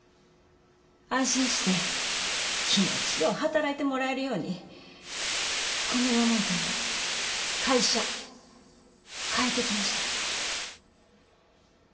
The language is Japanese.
安心して気持ちよう働いてもらえるようにこの４年間で会社変えてきました。